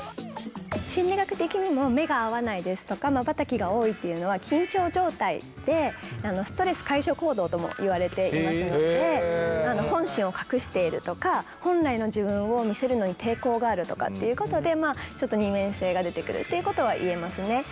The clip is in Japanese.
心理学的にも目が合わないですとかまばたきが多いっていうのは緊張状態でストレス解消行動ともいわれていますので本心を隠しているとか本来の自分を見せるのに抵抗があるとかっていうことでちょっと二面性がでてくるっていうことはいえますね。